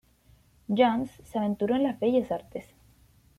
Jones se aventuró en las bellas artes.